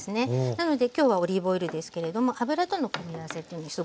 なので今日はオリーブオイルですけれども油との組み合わせというのにすごくいいんですね。